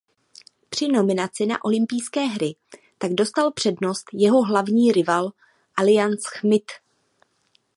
Při nominaci na olympijské hry tak dostal přednost jeho hlavní rival Alain Schmitt.